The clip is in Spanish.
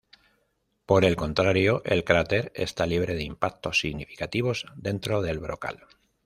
Por el contrario, el cráter está libre de impactos significativos dentro del brocal.